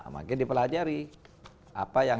makin dipelajari apa yang